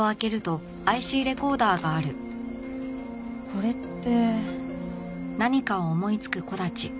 これって。